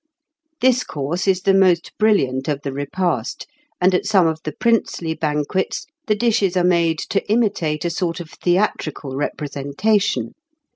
This course is the most brilliant of the repast, and at some of the princely banquets the dishes are made to imitate a sort of theatrical representation.